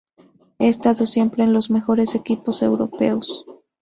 Ha estado siempre en los mejores equipos Europeos.